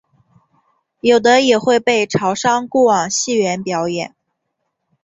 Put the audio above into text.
有的也会被潮商雇往戏园表演。